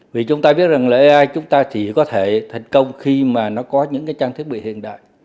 vì chúng ta biết rằng là ai chúng ta chỉ có thể thành công khi mà nó có những cái trang thiết bị hiện đại